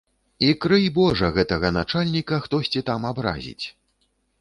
І крый божа гэтага начальніка хтосьці там абразіць.